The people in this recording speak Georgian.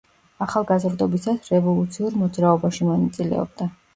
ახალგაზრდობისას რევოლუციურ მოძრაობაში მონაწილეობდა.